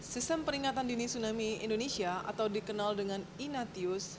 sistem peringatan dini tsunami indonesia atau dikenal dengan inatius